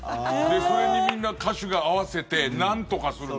それにみんな歌手が合わせてなんとかするの。